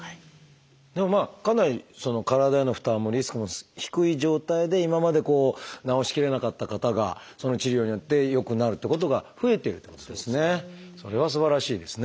でもかなり体への負担もリスクも低い状態で今まで治し切れなかった方がその治療によって良くなるっていうことが増えてるということですね。